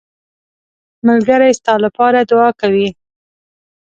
ملګری ستا لپاره دعا کوي